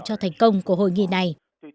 của hội nghị này